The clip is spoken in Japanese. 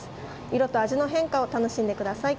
色と味の変化を楽しんでください。